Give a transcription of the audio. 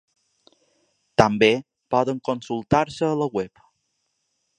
També poden consultar-se a la web.